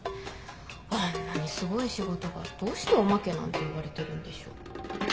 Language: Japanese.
あんなにすごい仕事がどうしておまけなんて呼ばれてるんでしょう？